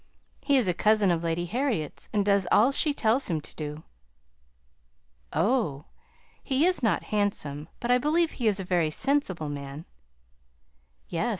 He is a cousin of Lady Harriet's, and does all she tells him to do." "Oh! he is not handsome; but I believe he is a very sensible man." "Yes!